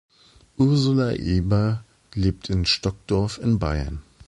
Ursula Erber lebt in Stockdorf in Bayern.